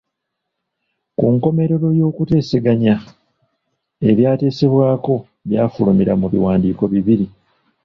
Ku nkomerero y’okuteeseganya, ebyateesebwako byafulumira mu biwandiiko bibiri.